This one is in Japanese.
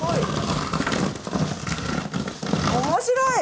面白い！